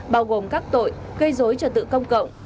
bao gồm các tội gây dối trật tự công cộng